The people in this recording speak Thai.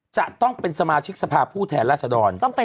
จะต้องเป็นสมาชิกสภาพผู้แทนรัศดร